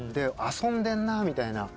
遊んでんなみたいな。